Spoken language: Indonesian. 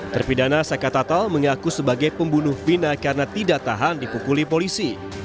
terpidana saka tatal mengaku sebagai pembunuh bina karena tidak tahan dipukuli polisi